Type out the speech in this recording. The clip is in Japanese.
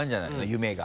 夢が。